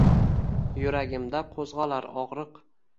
Yuragimda qo’zg’olar og’riq